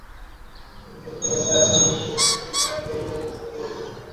কয়েকটি বেসরকারি সংস্থা ওয়াসার সঙ্গে চুক্তি করে এসব বস্তিতে পানির বৈধ সংযোগ দিয়েছে।